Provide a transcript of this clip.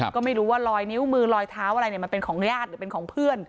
ก็ไม่รู้ว่าลอยนิ้วมือลอยเท้าอะไรมันเป็นของญาติหรือเป็นของเพื่อน